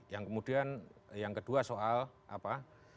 yang kemudian yang kedua soal apa